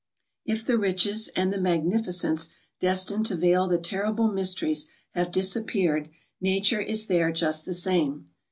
If the riches and the magnificence destined to veil the terrible mysteries have disappeared. Nature is there just the same.